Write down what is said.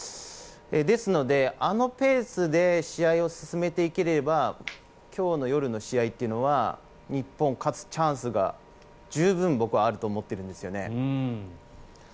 ですので、あのペースで試合を進めていければ今日の夜の試合は日本は勝つチャンスが十分に僕はあると思っているんですよね。